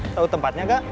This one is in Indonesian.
tahu tempatnya gak